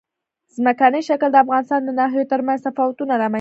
ځمکنی شکل د افغانستان د ناحیو ترمنځ تفاوتونه رامنځ ته کوي.